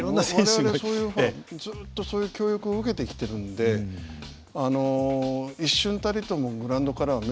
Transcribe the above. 我々ずっとそういう教育を受けてきてるんで一瞬たりともグラウンドからは目を離さない。